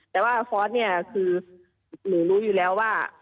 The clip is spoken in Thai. แต่ว่าฟอร์สเนี่ยคือหนูรู้อยู่แล้วว่า